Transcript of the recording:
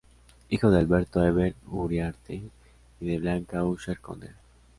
Hijo de Alberto Heber Uriarte y de Blanca Usher Conde.